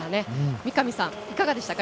三上さん、いかがでしたか？